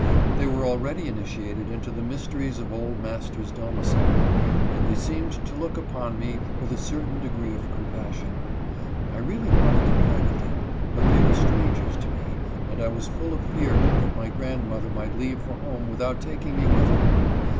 They were already initiated into the mys teries of old master's domicile, and they seemed to look upon me with a certain degree of compassion. I really wanted to play with them, but they were strangers to me, and I was full of fear that my grandmother might leave for home without taking me with her.